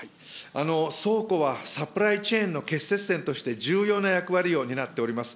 倉庫はサプライチェーンの結節点として重要な役割を担っております。